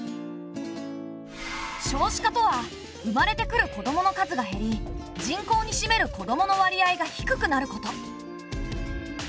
少子化とは生まれてくる子どもの数が減り人口にしめる子どもの割合が低くなること。